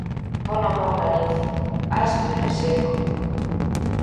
Po no meu nariz, áspero e seco.